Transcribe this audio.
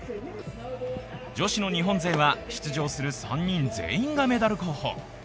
女子の日本勢は出場する３人全員がメダル候補。